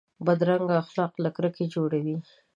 بدرنګه اخلاق له کرکې جوړ وي